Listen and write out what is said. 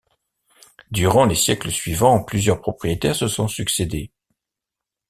Durant les siècles suivants, plusieurs propriétaires se sont succédé.